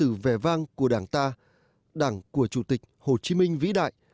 đó là lịch sử vẻ vang của đảng ta đảng của chủ tịch hồ chí minh vĩ đại